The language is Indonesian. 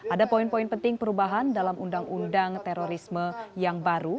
ada poin poin penting perubahan dalam undang undang terorisme yang baru